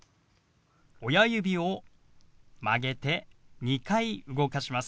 親指を曲げて２回動かします。